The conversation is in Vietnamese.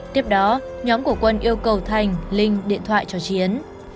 tiếp đó nhóm của quân yêu cầu thành linh điện thoại cho chiến